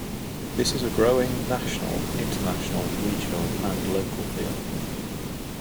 This is a growing national, international, regional and local field.